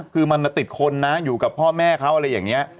คือมันติดคนนะอยู่กับพ่อแม่เขาอะไรอย่างนี้